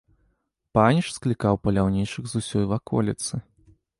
Паніч склікаў паляўнічых з усёй ваколіцы.